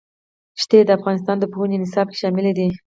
ښتې د افغانستان د پوهنې نصاب کې شامل دي.